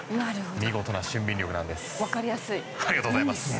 見事な俊敏力なんです。